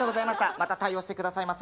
また対応して下さいませ！